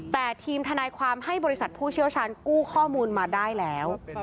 แต่ทีมทนายความให้บริษัทผู้เชี่ยวชาญกู้ข้อมูลมาได้แล้ว